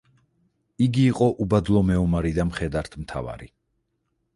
იგი იყო უბადლო მეომარი და მხედართმთავარი.